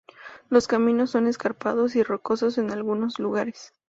Los caminos son escarpados y rocosos en algunos lugares.